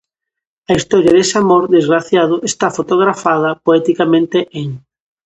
A historia dese amor desgraciado está fotografada poeticamente en.